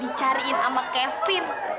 dicarin sama kevin